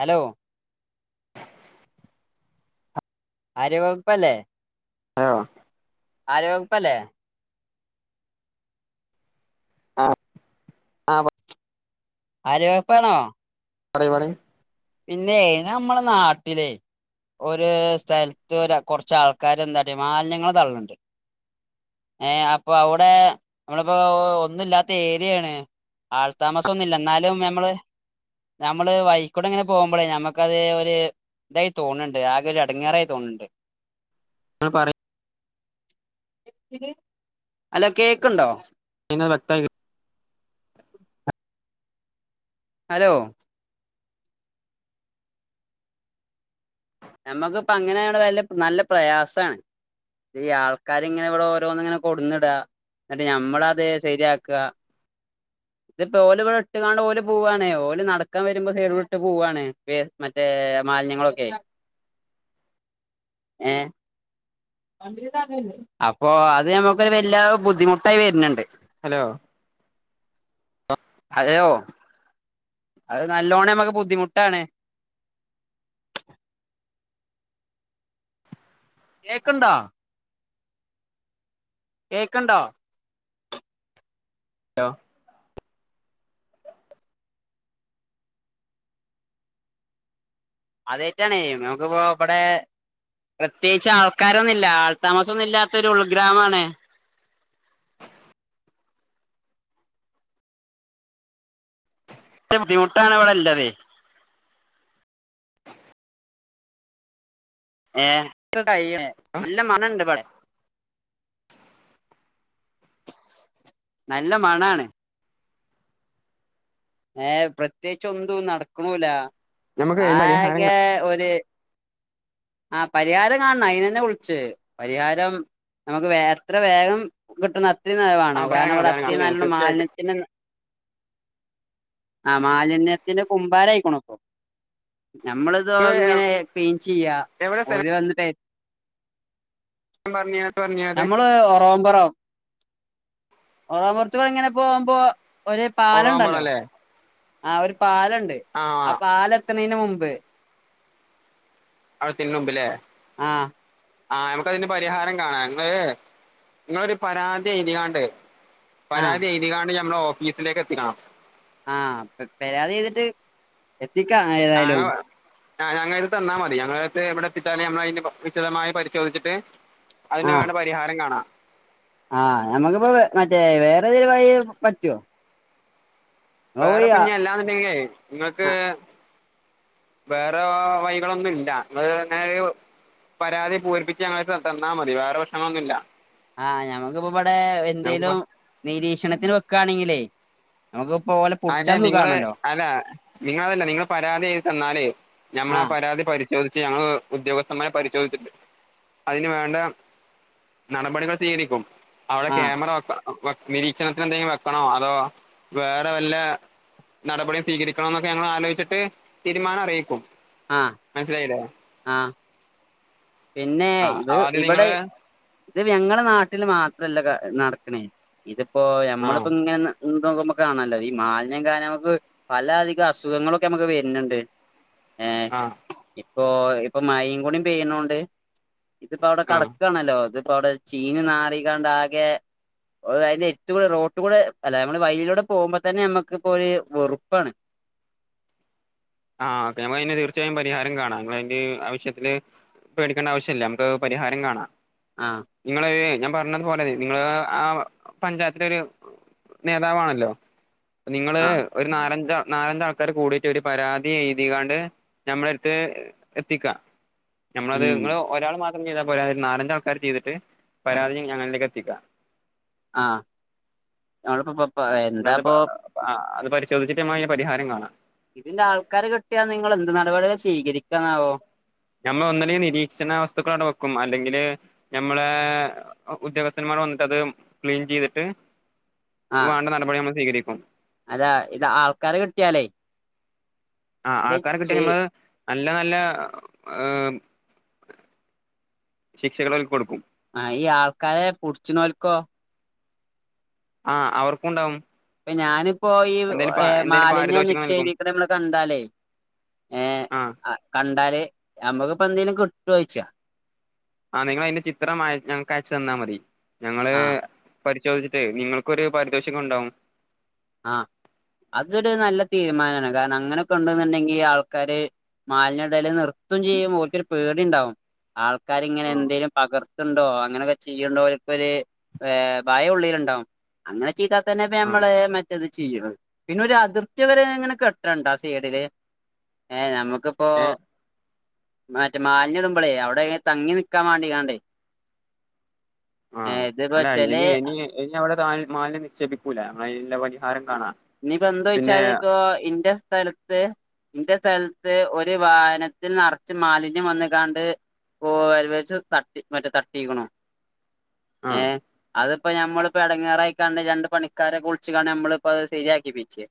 Hello ആര്യ വകുപ്പല്ലേ ആഹ്. ആരോഗ്യ വകുപ്പല്ലേ? ആഹ്. ആഹ് പ ആരോഗ്യ വകുപ്പാണോ? പറ പറ പിന്നെ ഞമ്മളെ നാട്ടിലെ ഒര് സ്ഥല്ത്ത് ഒര കൊറച്ച് ആൾക്കാര് വന്നാട്ടെ മാലിന്യങ്ങള് തള്ള്ണ്ട്. ഏഹ് അപ്പൊ അവടെ നമ്മളിപ്പോ ഒന്നുല്ലാത്ത ഏരിയേണ്. ആൾതാമസൊന്നുല്ല ഇന്നാലും ഞമ്മള് ഞമ്മള് വയി കുടെങ്ങനെ പോകുമ്പളേ ഞമ്മക്കത് ഒരു ഇതായി തോണ് ണ്ട് ആകെ ഒരു എടങ്ങേറായി തോണ് ണ്ട്. ആഹ് പറയ് ഹലോ കേക്ക്ണ്ടോ? ഇങ്ങനെ വ്യക്തായി കേ ഹലോ ഞമ്മക്കിപ്പ അങ്ങനേണ്ട് വല്ല്യ നല്ല പ്രയാസാണ്. ഈ ആൾക്കാരിങ്ങനെ ഇവടെ ഓരോന്ന്ങ്ങനെ കൊട്ന്നിടാ. ഇന്നട്ട് ഞമ്മളത് ശരിയാക്കാ. ഇതിപ്പോ ഓല് ഇവടെ ഇട്ട്ങ്ങാണ്ട് ഓല് പോവാണെ. ഓല് നടക്കാൻ വരുമ്പോ സൈഡ് കൂടെ ഇട്ട്പോവാണ്. വേ മറ്റേ മാലിന്യങ്ങളൊക്കെ. ഏഹ്. അപ്പൊ അത് ഞമ്മക്കൊരു വല്ല്യ ബുദ്ധിമുട്ടായി വര്ന്ണ്ട്. ഹലോ ഹലോ അത് നല്ലോണം ഞമ്മക്ക് ബുദ്ധിമുട്ടാണ്. കേക്ക്ണ്ടോ? കേക്ക്ണ്ടോ? ലോ ആദ്യായിറ്റാണേ ഞമക്കിപ്പോ ഇവടെ പ്രത്യേകിച്ച് ആൾക്കാരൊന്നില്ല. ആൾ താമസൊന്നുല്ലാത്തൊരു ഉൾഗ്രാമാണ്. [unintelligible] ബുദ്ധിമുട്ടാണ് ഇവടെല്ലതെ. ഏഹ് [unintelligible] നല്ല മണണ്ട് ഇബടെ. നല്ല മണാണ്. ഏഹ് പ്രത്യേകിച്ച് ഒന്തും നടക്കുണൂലാ. നമുക്ക് അയിന് പരിഹാരങ്ങൾ ആകെ ഒര് ആഹ് പരിഹാരം കാണണം അയിനന്നെ വിള്ച്ചത്. പരിഹാരം നമക്ക് വേ എത്ര വേഗം കിട്ടുന്നൊ അത്രി ന്നാ ആ വാണം കാരണം ഇവടെ പറയാ അത്രിം നല്ലണ്ണം തീർച്ചയായിട്ടും മാലിന്യത്തിന് ആഹ് മാലിന്യത്തിന് കുമ്പാരായിക്കുണു ഇപ്പം. ഞമ്മള് ഇതോ നിങ്ങൾ ഇങ്ങനെ ക്ലീൻ ചെയ്യാ, എവിടെ ഓല് സ്ഥലം വന്നിട്ടെ [unintelligible] [unintelligible] ഒര് പാലം ഒറവാമ്പുറം ണ്ടല്ലോ. അല്ലേ ആഹ് ഒര് പാലംണ്ട്. ആ പാലം എത്ത്ണേന് മുമ്പ്. അവ്ടെത്തിന്ന് മുമ്പ് ലേ. ആ ആഹ് നമക്ക് അയിന് പരിഹാരം കാണാ. നിങ്ങള് നിങ്ങളൊരു പരാതി എഴ്തികാണ്ട് ആ പരാതി എഴ്തീങ്ങാണ്ട് ഞമ്മടെ ഓഫീസിലേക്കെത്തിക്കണം. അഹ്! പേ പേരാതിഎയ്തീട്ട് എത്തിക്കാ ഏഹ് ആണോ. ആഹ് ഞങ്ങളെട്ത്ത് തന്നാമതി. ഞങ്ങളത്ത് ഇവ്ടെത്തിച്ചാല് ഞമ്മളയിന് കോ വിശദമായി പരിശോധിച്ചിട്ട് അതിന് വേണ്ട പരിഹാരം കാണാം. ആഹ് ഞമ്മക്കിപ്പോ മറ്റേ വേറെതൊലും വഴി പറ്റൊ? വേറെ പ ഞ്ഞി അല്ലാന്ന്ണ്ടെങ്കിലേ ഇങ്ങൾക്ക് ആ വേറെ വൈകളൊന്നുംല്ല. ഇങ്ങള് ഇങ്ങനൊരു പരാതി പൂരിപ്പിച്ച് ഞങ്ങള്ടെത്ത് തന്നാമതി. വേറെ പ്രശ്നങ്ങളൊന്നുംയില്ല. ആഹ് ഞങ്ങക്കിപ്പ ബടെ എന്തേലും നിരീക്ഷണത്തിന് വെക്കാണെങ്കിലേ നമുക്കിപ്പോ ഓലെ അഹ് ന്നെ പുടിച്ചാൻ നിങ്ങള് സുഖാണല്ലോ അല്ല നിങ്ങളതല്ല നിങ്ങള് പരാതി എഴ്തിതന്നാല് ഞമ്മളാ ആഹ് പരാതി പരിശോധിച്ച് ഞങ്ങള് ഉദ്യോഗസ്ഥന്മാരെ പരിശോധിച്ചിട്ട് അയിന് വേണ്ട നടപടികള് സ്വീകരിക്കും. അവ്ടെ ആഹ് ക്യാമറ വേക്കാ വേ നിരീക്ഷണത്തിന് എന്തെങ്കിലും വെക്കണോ? അതോ വേ റവല്ല നടപടി സ്വീകരിക്കണോന്നൊക്കെ ഞങ്ങളാലോയ്ച്ചിട്ട് തീരുമാനം അറിക്കും. ആഹ് മൻസ്സിലായിലേ. ആഹ്! പിന്നെ ആ ഇബ് ആദ്യം ഇബടെ നിങ്ങള് ഇത് പ്പ ഞങ്ങടെ നാട്ടില് മാത്രല്ല ഗ നടക്ക്‌ണേ. ഇതിപ്പോ ആ ഞമ്മളിപ്പോ ങ്ങനെ എന്തോ ക്കുമ്പോ ക്കെ കാണാല്ലോ. ഈ മാൽന്യം കാരം നമക്ക് പലഅധികം അസുഖങ്ങളൊക്കെ നമക്ക് വര്ന്ന്ണ്ട്. ആഹ്! ഇപ്പൊ ഇപ്പൊ മയ്യിം കൂടി പെയ്യ്ണോണ്ട് ഇതിപ്പോ അവ്ടെ ആ കെടക്കാണല്ലോ? ഇതിപ്പോ അവ്ടെ ചീഞ് നാറികാണ്ടാകെ അയിന്റെ അര്ത്തൂകൂടെ റോട്ട്ക്കൂടെ അല്ല നമ്മള് വൈലൂടെ പോമ്പതന്നെ നമ്മക്ക് ഇപ്പോര് വെറ്പ്പാണ്. ആഹ് ഓക്കെ നമ്മക്ക് അയിനൊരു തീർച്ചയായുംപരിഹാരംകാണാം. ഇങ്ങള് അയിന്റെ ആവശ്യത്തില് പേടിക്കേണ്ടാവശ്യല്യ. നമുക്ക് പരിഹാരം കാണാം. ആഹ്! നിങ്ങള് ഒര് ഞാൻ പറഞ്ഞത് പോലെ നിങ്ങള് ആഹ് ആഹ് പഞ്ചായത്തിലൊര് നേതാവാണല്ലോ. നിങ്ങള് ആഹ് ഒരു നാലഞ്ച നാലഞ്ചാൾക്കാര് കൂടിട്ട് ഒരു പരാ തി എഴ്തികാണ്ട് ഞമ്മളെടുത്ത് എത്തിക്കാ. ഞമ്മളത് ഉം നിങ്ങളോ ഒരാള്മാത്രം ചെയ്താപോരാ. ഒര് നാലഞ്ചാൾക്കാര് ചെയ്തിട്ട് പരാതി ഞങ്ങളിലേക്ക് എത്തിക്ക. ആഹ്! ഞങ്ങളിപ്പോ പ്പോ പ്പോ പ്പോ എന്താപ്പോ ആഹ്! അത് പരിശോധിച്ചിട്ട് ഞമ്മക്ക്‌ അയ്ന് പരിഹാരം കാണാം. ഇതിന്റെൾക്കാരെ കിട്ടിയാ നിങ്ങള് എന്ത് നടപടിയാ സ്വീകരിക്ക്‌നാവോ? ഞമ്മള് ഒന്നല്ലങ്കി നിരീക്ഷണവസ്ത്തുക്കള് അടെ വേക്കും. അല്ലെങ്കില് ഞമ്മളെ ഉദ്യോഗസ്ഥന്മാര് വന്നിട്ടത് ക്ലീൻ ചെയ്തിട്ട് ആഹ് വാണ്ട നടപടി നമ്മള് സ്വീകരിക്കും. അതാ ഇത് ആൾക്കാരേ കിട്ടിയാലേ ആഹ് ഇത് ആൾക്കാരെ കിട്ടിയാ ചെയ് നമ്മള് നല്ല നല്ല ഏഹ് ശിക്ഷകള് ഓൽക്ക് കൊടുക്കും. ആഹ് ഈ ആൾക്കാരെ പുടിച്ച്നോൽക്കോ? ആഹ് അവർക്കു ണ്ടാവും. ഇപ്പ ഞാനിപ് പോയി ഏഹ് എന്തേലും മാലിന്യം പാരിതോഷികം നൽകും നിക്ഷേപിക്ക്ണെ അമ്മള് കണ്ടാലേ ഏഹ് ആ കണ്ടാല് നമ്മക്കിപ്പെന്തേലും കിട്ടോയ്ച്ചാ?? ആഹ് നിങ്ങള് അയിന്റെ ചിത്രം അയ ഞങ്ങക്ക് അയച്ചു തന്നാ മതി. ഞങ്ങള് ആഹ് പരിശോധിച്ചിട്ട് നിങ്ങൾക്കൊരു പാരിതോഷികം ഉണ്ടാവും. ആഹ് അതൊരു നല്ല തീരുമാനമാണ്. കാരണം അങ്ങനെയൊക്കെ ഉണ്ട് ന്നുണ്ടെങ്കി ആൾക്കാര്- മാലിന്യം ഇടൽ നിർത്തും ചെയ്യും. ഓൽക്ക് ഒരു പേടി ഇണ്ടാവും. ആൾക്കാരിങ്ങനെ ആ എന്തേലും പകർ ക്കെണ്ടോ അങ്ങനെയൊക്കെ ചെയ്യ്ണ്ടോ അവർക്കൊരു ഏ ഭയം ഉള്ളിലുണ്ടാവും. അങ്ങനെ ചെയ്താ തന്നെ ഇപ്പം ആ ഞമ്മള് മ റ്റത് ചെയ്യ്ണേ. പിന്നെ ഒരു അതിർത്തി വരെ അങ്ങനെ കെട്ടണ്ട സൈഡില്. ഏഹ് നമുക്ക് ഇപ്പൊ ഏ മറ്റേ മാലിന്യം ഇടുമ്പളേ അവിടെ തങ്ങി നിക്കാൻ വേണ്ടി കാണ്ടേ ആഹ് ഇതിപ്പോ അല്ല ചെലേ അങ്ങനേനി ഇഞ്ഞ് അവിടെ താ മാലിന്യം നിക്ഷേപിക്കൂല. നമ്മള് അതിനുള്ള പരിഹാരം കാണാ. ഇനി ഇപ്പം എന്ത് പിന്നെ ഒഴിച്ചാല് ഇപ്പൊ ഇൻ്റെ സ്ഥല ത്ത് ഇന്റെ സ്ഥലത്ത് ഒരു വാഹനത്തിൽ നറ്ച്ചും മാലിന്യം വന്ന്ക്കാണ്ട്- കോല് വച്ച് തട്ടിപ് മറ്റേ തട്ടീക്ക്ണു. ആ ഏഹ് അതിപ്പോ ഞമ്മളിപ്പോ എടങ്ങാറായിക്കാണ്ട് രണ്ട് പണിക്കാരെ വിളിച്ച്ക്കാണ്ട് നമ്മളിപ്പത് ശരിയാക്കിപ്പിച്ച്.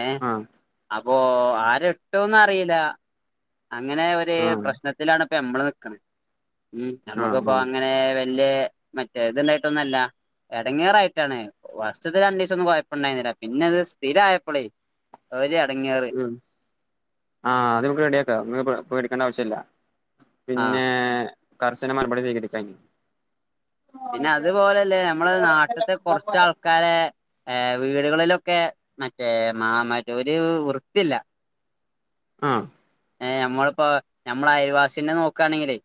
ഏഹ് ആ അപ്പോ ആര് ഇട്ടൂന്നറിയില്ല. അങ്ങനെ ഒരു ആഹ് പ്രശ്നത്തിലാണ് ഇപ്പൊ നമ്മള് നിക്ക്ണെ. ഉം ആഹ് നമ്മുക്കിപ്പോ ആഹ് അങ്ങനെ വല്യേ മറ്റേ ഇത് ഉണ്ടായിട്ടൊന്നൊല്ല. എടങ്ങേറായിട്ടാണ്. ഫസ്‌റ്റത്തെ രണ്ടീസൊന്നും കൊഴപ്പണ്ടായിരുന്നില്ല. പിന്നെ അത് സ്ഥിരം ആയപ്പളേ. ഒര് എടങ്ങേറ്. ആഹ് അത് അമക്ക് റെഡിയാക്കാം. നിങ്ങള് പേ പേടിക്കേണ്ട ആവശ്യല്ല. ആ പിന്നേ കർശന മറുപടി സ്വീകരിക്കാൻ. പിന്നെ അതുപോലെല്ലേ നമ്മളെ നാട്ടിത്തെ കൊറ്ച്ചാൾ ക്കാരെ ഏഹ് വീടുകളിലൊക്കെ മറ്റേ മാ മറ്റ ഒരു വൃത്തിയില്ല. ആഹ്. ഏഹ് അമ്മളിപ്പോ ഞമ്മളെ അയൽവാസിന്റെ നോക്കാണെങ്കിലേ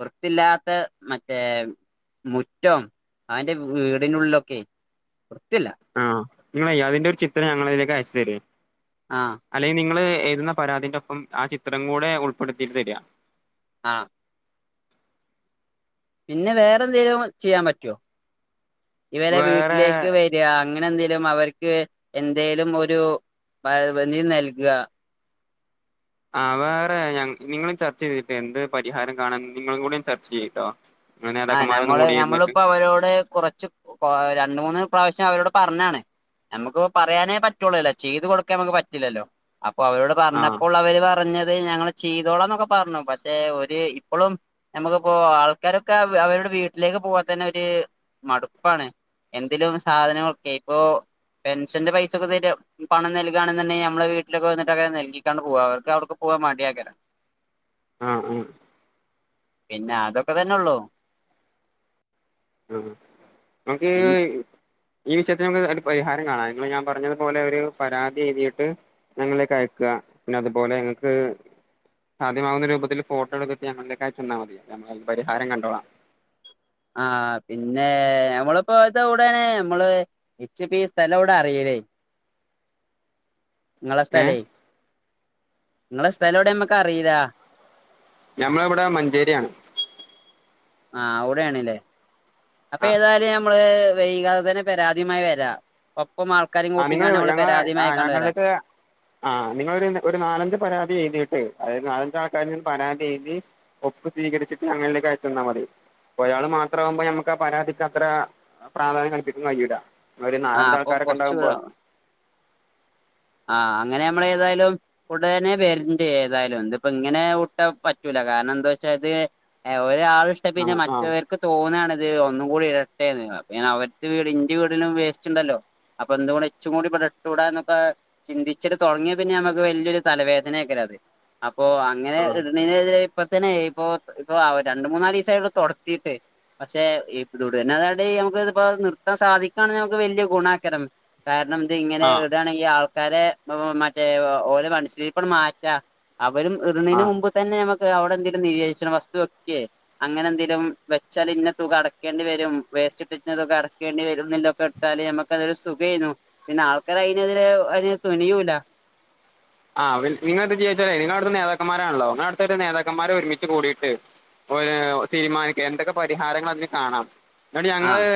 വൃത്തിയില്ലാത്ത മറ്റേ മുറ്റം അവന്റെ വീടിനുള്ളിലൊക്കെ വൃത്തിയില്ല. ആഹ് നിങ്ങളെയ് അതിന്റെ ഒരു ചിത്രം ഞങ്ങളെതിലേക്ക് അയച്ചു തരീ. ആഹ് അല്ലെങ്കിൽ നിങ്ങള് എഴുതുന്ന പരാതീന്റെ ഒപ്പം ആ ചിത്രം കൂടെ ഉൾപ്പെടുത്തിയിട്ട് തരാ. ആഹ്. പിന്നെ വേറെ എന്തേലും ചെയ്യാൻ പറ്റോ? ഇവരെ വേറെ വീട്ടിലേക്ക് വരാ. അങ്ങനെ എന്തെലും അവർ ക്ക് എന്തേലും ഒരു [unintelligible] നൽകാ. ആഹ് വേറെ ഞ നിങ്ങളും ചർച്ച ചെയ്തിട്ട് എന്ത് പരിഹാരം കാണാൻ നിങ്ങളും കൂടീം ചർച്ച ചെയ്യീട്ടോ. ആഹ് നമ്മള് ഞമ്മളിപ്പോ അവരോട് കുറച്ചും രണ്ടു മൂന്ന് പ്രാവശ്യം അവരോട് പറഞ്ഞാണ്. ഞമ്മക്കിപ്പൊ പറയാനേ പറ്റൊള്ളേലോ. ചെയ്ത് കൊടുക്കാൻ നമുക്ക് പറ്റില്ലല്ലോ. അപ്പൊ അവരോട് ആഹ് പറഞ്ഞപ്പോൾ അവര് പറഞ്ഞത് ഞങ്ങള് ചെയ്തോളാന്നൊക്കെ പറഞ്ഞു. പക്ഷെ ഒരു ഇപ്പളും നമുക്കിപ്പോ ആൾക്കാരൊ ക്കെ അവ അവരുടെ വീട്ടിലേക്ക് പോവാൻ തന്നെ ഒരു മടുപ്പാണ്. എന്തെലും സാധനങ്ങളൊക്കെ ഇപ്പൊ പെൻഷന്റെ പൈസൊക്കെ തരാ പണം നൽകാണെന്നുണ്ടെങ്കി നമ്മളെ വീട്ടിലൊക്കെ വന്നിട്ട് ഒക്കെ നൽകീക്കാണ്ട് പോവാ. അവർക്ക് അവർക്ക് പോവാൻ മടിയേക്കരം. ആഹ് ആഹ് പിന്നെ അതൊക്കെ തന്നെ ഉള്ളൂ ഉം നമുക്കീ പിൻ- ഈ വിഷയത്തിന് ഒന്ന് ഒരു പരിഹാരം കാണാം നിങ്ങൾ ഞാൻ പറഞ്ഞതുപോലെ ഒരു പരാതി എഴുതിയിട്ട് ഞങ്ങളെക്ക് അയക്കാ പിന്നെ അതുപോലെ ഞങ്ങക്ക് സാധ്യമാവുന്ന രൂപത്തിൽ ഫോട്ടോ എടുത്തിട്ട് ഞങ്ങളിലേക്ക് അയച്ചെന്നാ മതി നമ്മള് പരിഹാരം കണ്ടോളാം ആഹ് പിന്നെ ഞമ്മളിപ്പോ ഇതെവിടെയാണ് നമ്മള് ഇച്ച് പ്പീ സ്ഥലയെടെ അറീലേ ഇങ്ങളെ ഏ സ്ഥലേ ഇങ്ങളെ സ്ഥലെവിടെ നമ്മക്കറില്ലാ ഞമ്മളിവിടെ മഞ്ചേരിയാണ് ആഹ് അവിടെയാണല്ലേ അപ്പൊ ആ ഏതായാലും നമ്മള് വൈകാതെ തന്നെ പരാതിയുമായി വരാം ഒപ്പം മ ആഹ് നിങ്ങള് ഞങ്ങള് ആഹ് ഞങ്ങൾക്ക് ആഹ് നിങ്ങളെരു ഒരുനാലഞ്ച്പരാതി എഴുതിട്ട് അതായത് നാലഞ്ചാൾക്കാര് പരാതി എഴുതി ഒപ്പ് സ്വീകരിച്ചിട്ട് ഞങ്ങളിലേക്ക് അയച്ചന്നാമതി ഒരാള് മാത്രമാകുമ്പോ നമുക്ക് ആഹ് പരാതിക്കത്ര പ്രാധാന്യം കൽപ്പിക്കാൻ കഴിയൂല ഒരു ആഹ് നാലഞ്ചാൾക്കാര [unintelligible] ആഹ് അങ്ങനെ നമ്മളെതായാലും ഉടനെ വരണ്ട് ഏതായാലും ഇന്നിപ്പം ഇങ്ങനെ വിട്ടാ പറ്റൂല കാരണം എന്താ വെച്ചാല് എഹ് ഒരാള് ശ് ആ പിന്നെ ആ മറ്റവർക്ക് തോന്നാണിത് ഒന്നും കൂടെ ഇടട്ടേന്ന് അപ്പ ഞാൻ അവർ വീട് ഇന്റെ വീടിലും വസ് ഇച്ച്ണ്ടല്ലോ അപ്പൊ എന്ത ഇച്ചും കൂടി ഇവിടെ ഇട്ടൂടന്നൊക്കെ ചിന്തിച്ചിട്ട് തുടങ്ങിയ പിന്നെ നമുക്ക് വല്യരു തലവേദനക്കാരോ അത് അപ്പോ അ ഇങ്ങനെ ഇടണോന് ഇപ്പ തന്നെ ഇപ്പൊ ഇപ്പൊ രണ്ട്മൂന്നാല് ദിസായി തുടത്തിട്ട് പക്ഷേ [unintelligible] അതായിട്ട് ഞമക്ക് ഇപ്പോ നിർത്താൻ സാധിക്കാന്ന് വലിയ ഗുണാക്കരം കാരണം ഇത് ഇങ്ങനെ ആ ആ ഇടാണെങ്കി ആഹ് ആൾക്കാരെ ഓ മറ്റേ ഓരോ മനഷിലിരിപ്പ് മാറ്റാ അവരും ആ ഇട്‌ണേന്റെ മുമ്പ് തന്നെ നമുക്ക് അവിടെ എന്തെലും വിരോചിച്ചണം വസ്തു വക്കെ അങ്ങനെ എന്തെലും വെച്ചാല് ഇന്നെ തുക അടയ്ക്കേണ്ടി വരും വേസ്റ്റ്ട്ട തുക അടക്കേണ്ടി വരും ഇന്നേലൊക്കെ ട്ടാല് നമുക്ക് അതൊരു സുഖേനു പിന്നെ ആൾക്കാര് അയ്നെതിരെ അതിന് തുനിയൂല്ല ആഹ് നിങ്ങള് എന്ത് ചെയ്യാച്ചാലേ നിങ്ങളടുത്ത് നേതാക്കന്മാരാണല്ലോ നിങ്ങള അടുത്തരു നേതാക്കന്മാരെ ഒരുമിച്ച് കൂടിയിട്ട് ഇപ്പം പിന്നെ തീരുമാനിക്ക എന്തൊക്കെ പരിഹാരങ്ങൾ അതിന് കാണാം എന്നിട്ടങ്ങള് ആഹ്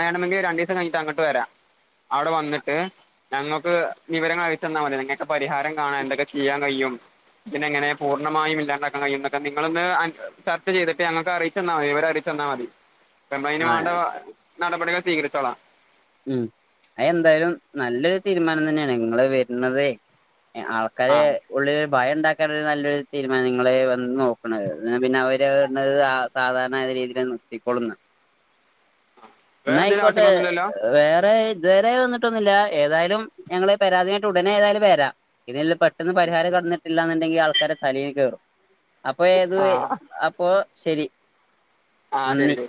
വേണമങ്കിൽ രണ്ടീസം കയിഞ്ഞിട്ട് അങ്ങട്ട് വരാം അവിടെ വന്നിട്ട് ഞങ്ങൾക്ക് വിവരങ്ങൾ അറീച്ചന്നാൽ മതി നിങ്ങൾക്ക് പരിഹാരം കാണെ എന്തൊക്കെ ചെയ്യാൻ കഴിയും ഇതിനെങ്ങനെ പൂണ്ണമായും ഇല്ലാണ്ടാക്കാൻ കഴിയും നിങ്ങളൊന്ന് ചർച്ച ചെയ്തിട്ട് ഞങ്ങക്ക് അറിയിച്ചന്നാമതി വിവരറീച്ചന്നാ മതി അയിന് മാണ്ട ആഹ് നടപടികൾ സ്വീകരിച്ചോളാം ഉം അയ് എന്തായാലും നല്ലൊരു തീരുമാനം തന്നെയാണ് നിങ്ങള് വരുന്നതെ ആഹ് ആ കഥേ ഉള്ളില് ഭയം ഇണ്ടാക്കാനൊരു നല്ലൊരു തീരുമാന നിങ്ങള് വന്ന് നോക്കണത് എന്നാ പിന്നെ അവര് [unintelligible] സാധാരണ രീതിയില് നിർത്തിക്കൊളുന്ന് വേറെന്തെങ്കിലും എന്നായിക്കോട്ടെ ആവശ്യങ്ങളൊന്നുമില്ലല്ലോ വേറെ ഇതുവരെ വന്നിട്ടൊന്നില്ല ഏതായാലും ഞങ്ങള് പരാതിയായിട്ട് ഉടനെ ഏതായാലും വരാം ഇതല്ല പട് പെട്ടെന്ന് പരിഹാരം കടന്നിട്ടില്ലന്നുണ്ടെങ്കി ആൾക്കാര് തലേൽ കയറും അപ്പൊ ഏത് ആ അപ്പൊ ശരി ആഹ് ശരി നന്ദി ലേ